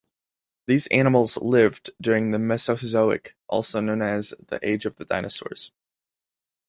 These animals lived during the Mesozoic, also known as the age of the dinosaurs.